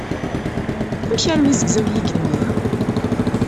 Amek armi zegzaw yigenni?